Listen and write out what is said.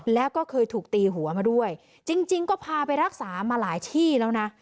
แล้วก็เคยถูกตีหัวมาด้วยจริงก็พาไปรักษามาหลายที่แล้วนะ